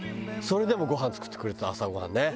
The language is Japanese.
それでもごはん作ってくれてた朝ごはんね。